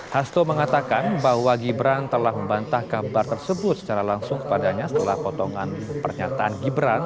hasto mengatakan bahwa gibran telah membantah kabar tersebut secara langsung kepadanya setelah potongan pernyataan gibran